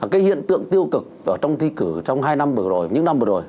cái hiện tượng tiêu cực trong thi cử trong hai năm vừa rồi những năm vừa rồi